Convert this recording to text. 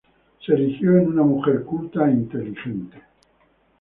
Se erigió en una mujer culta e inteligente.